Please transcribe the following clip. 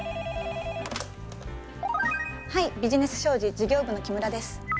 はいビジネス商事事業部の木村です。